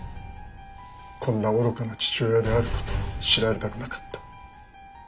こんな愚かな父親である事を知られたくなかった。